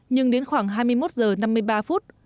nhưng đến khoảng hai mươi một h năm mươi ba phút